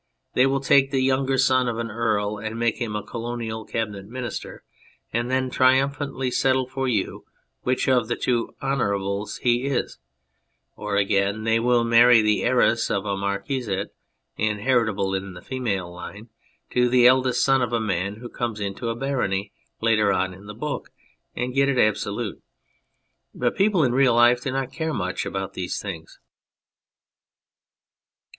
They will take the younger son of an earl, make him a Colonial Cabinet Minister, and then triumphantly settle for you which of the two " honourables " he is ; or again, they will marry the heiress of a marquisate inheritable in the female line to the eldest son of a man who comes into a barony later on in the book and get it absolute. But people in real life do not care much about these things.